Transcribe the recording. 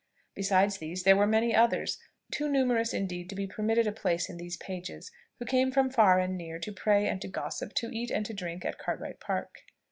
Besides these, there were many others, too numerous indeed to be permitted a place in these pages, who came from far and near to pray and to gossip, to eat and to drink, at Cartwright Park.